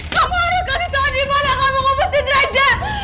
kamu harus kasih tau dimana kamu ngumpetin raja